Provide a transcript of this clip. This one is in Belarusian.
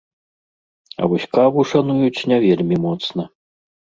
А вось каву шануюць не вельмі моцна.